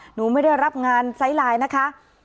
หนูไม่ได้รับงานไซส์ไลน์นะคะ